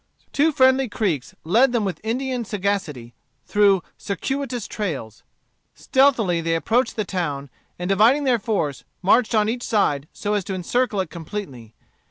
Two friendly Creeks led them with Indian sagacity through circuitous trails. Stealthily they approached the town, and dividing their force, marched on each side so as to encircle it completely.